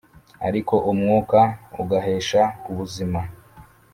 ariko umwuka ugahesha ubuzima